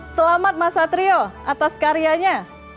selamat mas satrio atas karyanya